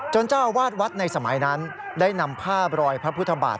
เจ้าอาวาสวัดในสมัยนั้นได้นำภาพรอยพระพุทธบาท